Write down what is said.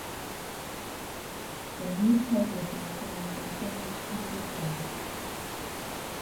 The newspaper of the organization was "En Lucha".